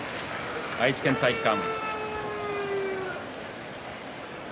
愛知県体育館。